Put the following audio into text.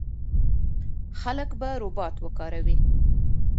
خلک به روباټ وکاروي.